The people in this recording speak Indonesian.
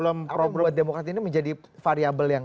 apa yang membuat demokrat ini menjadi variable yang